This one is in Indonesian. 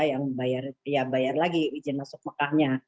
yang bayar lagi izin masuk mekahnya